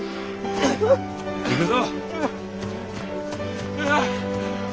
行くぞ。